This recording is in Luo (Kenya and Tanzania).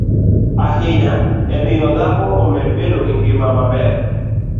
ahinya e miyo dhako omed bedo gi ngima maber,